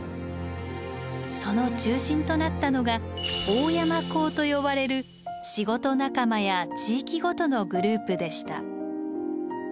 その中心となったのが「大山講」と呼ばれる仕事仲間や地域ごとのグループでした。